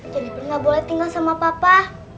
jeniper nggak boleh tinggal sama papa